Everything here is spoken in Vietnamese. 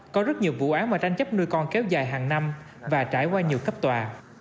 có rất nhiều vụ án mà tranh chấp nuôi con kéo dài hàng năm và trải qua nhiều cấp tòa